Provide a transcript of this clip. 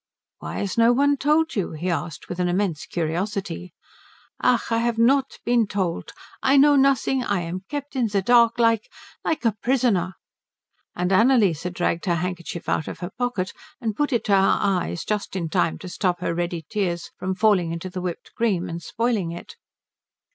"Why has no one told you?" he asked, with an immense curiosity. "Ach, I have not been told. I know nothing. I am kept in the dark like like a prisoner." And Annalise dragged her handkerchief out of her pocket, and put it to her eyes just in time to stop her ready tears from falling into the whipped cream and spoiling it.